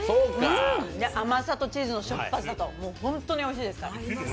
甘さとチーズのしょっぱさと、本当においしいですね。